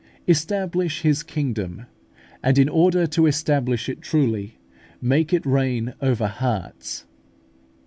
establish His kingdom; and, in order to establish it truly, make it reign over HEARTS.